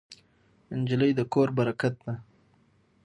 نجلۍ د کور برکت ده.